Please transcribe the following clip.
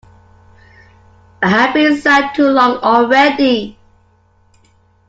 I had been sad too long already.